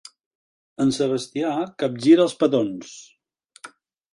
En Sebastià capgira els petons.